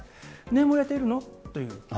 眠れてるの？っていう。